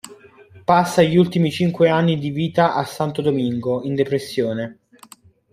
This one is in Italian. Passa gli ultimi cinque anni di vita a Santo Domingo, in depressione.